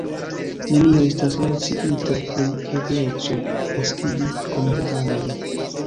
Nenio estas menciita pri ebleco eksigi komitatanojn.